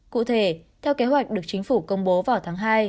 cụ thể theo kế hoạch được chính phủ công bố vào tháng hai